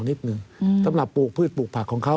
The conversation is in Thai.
นิดหนึ่งสำหรับปลูกพืชปลูกผักของเขา